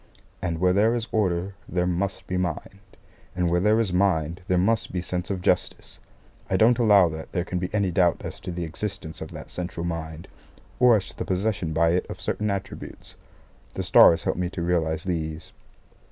And where there is order there must be mind, and where there is mind there must be sense of Justice. I don't allow that there can be any doubt as to the existence of that central Mind, or as to the possession by it of certain attributes. The stars help me to realise these.